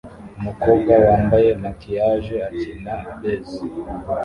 Umukobwa wambaye maquillage akina bass